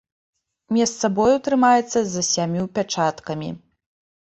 Месца бою трымаецца за сямю пячаткамі.